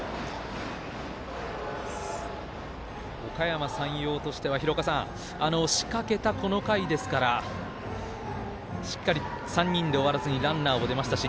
おかやま山陽としては仕掛けた、この回ですからしっかり、３人で終わらずにランナーも出ましたし